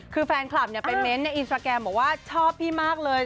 คือแฟนคลับไปเม้นต์ในอินสตราแกรมบอกว่าชอบพี่มากเลย